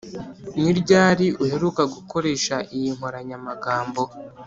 ni ryari uheruka gukoresha iyi nkoranyamagambo?